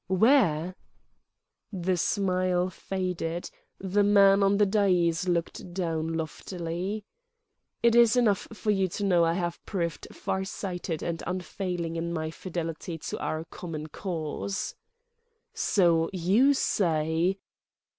"Where?" The smile faded; the man on the dais looked down loftily. "It is enough for you to know I have proved far sighted and unfailing in my fidelity to our common cause." "So you say